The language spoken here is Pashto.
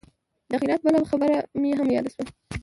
د خیرات بله خبره مې هم یاده شوه.